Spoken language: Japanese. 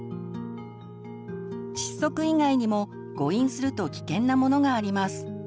窒息以外にも誤飲すると危険なものがあります。